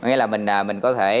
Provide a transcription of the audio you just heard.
nó nghĩa là mình có thể